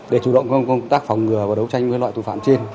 để chủ động công tác phòng ngừa và đấu tranh với loại tội phạm trên